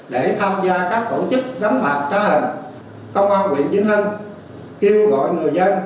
để tham gia các tổ chức đánh mạc trá hình công an huyện vinh hưng kêu gọi người dân